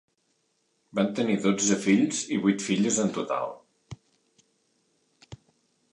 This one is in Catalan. Van tenir dotze fills i vuit filles en total.